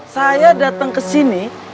saya datang kesini